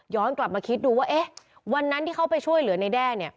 ย้อนกลับมาคิดดูว่าวันนั้นที่เขาไปช่วยเหลือนายแด้